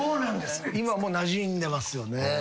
今なじんでますよね。